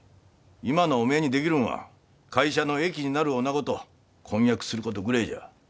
今のおめえにできるんは会社の益になるおなごと婚約することぐれえじゃ。